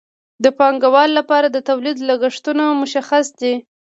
د پانګوال لپاره د تولید لګښتونه مشخص دي